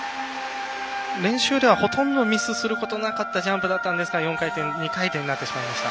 練習ではほとんどミスすることなかったジャンプだったんですが４回転、２回転になってしまいました。